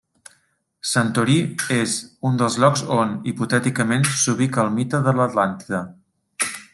Santorí és un dels llocs on, hipotèticament s'ubica el mite de l'Atlàntida.